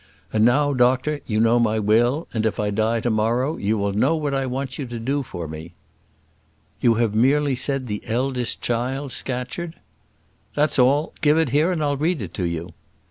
And now, doctor, you know my will; and if I die to morrow, you will know what I want you to do for me." "You have merely said the eldest child, Scatcherd?" "That's all; give it here, and I'll read it to you."